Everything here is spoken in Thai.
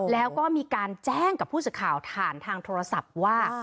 แล้วก็มีการแจ้งกับผู้สื่อข่าวผ่านทางโทรศัพท์ว่า